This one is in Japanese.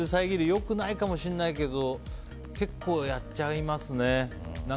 良くないかもしれないけど結構やっちゃいますね。